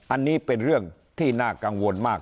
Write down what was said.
อันนี้เป็นเรื่องที่น่ากังวลมาก